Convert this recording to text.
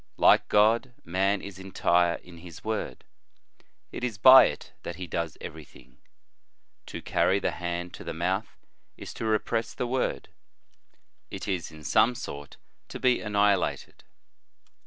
Like God, man is entire in his word ; it is by it that he does every thing. To carry the hand to the mouth, is to repress the word; it is, in some sort, to be annihilated.